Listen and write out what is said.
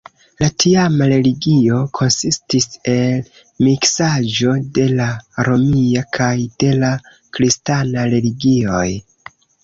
La tiama religio konsistis el miksaĵo de la romia kaj de la kristana religioj.